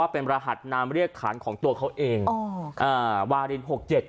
เป็นรหัสนามเรียกขานของตัวเขาเองวาลิน๖๗